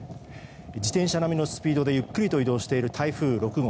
自転車並みのスピードでゆっくり移動している台風６号。